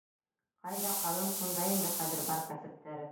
Ҡайҙа ҡалым, шунда инде хәҙер бар кәсептәре.